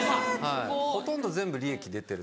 ほとんど全部利益出てる。